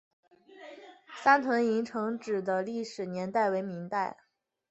三屯营城址的历史年代为明代。